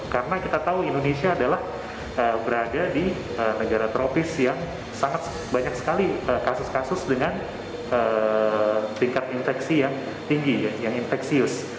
karena kita tahu indonesia adalah berada di negara tropis yang sangat banyak sekali kasus kasus dengan tingkat infeksi yang tinggi yang infeksius